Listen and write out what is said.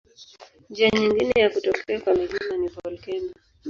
Njia nyingine ya kutokea kwa milima ni volkeno.